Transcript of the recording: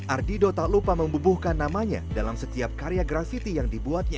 ardido tak lupa membubuhkan namanya dalam setiap karya grafiti yang dibuatnya